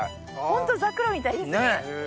ホントザクロみたいですね。